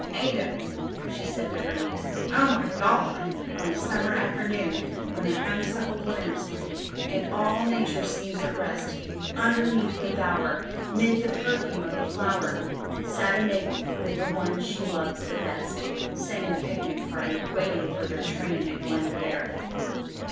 *Ada,' she said to her niece ... Oh, my Gawdl'* ... ■i On a summer afternoon, when the honeysuckle blooms, And all Nature seems at rest, Underneath the bower, 'mid the perfume of the flower, Sat a maiden with the one she loves the best " sang the picnio party waiting for their train at Glen gariff.